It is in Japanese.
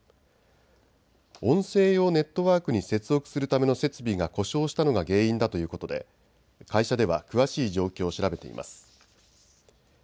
音声用ネットワークに接続するための設備が故障したのが原因だということで会社では詳しい状況を調べています。